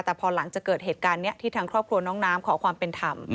แต่พอหลังจากเกิดเหตุการณ์นี้ที่ทางครอบครัวน้องน้ำขอความเป็นธรรม